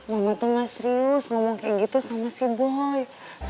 mama tuh mah serius ngomong kayak gitu sama si boy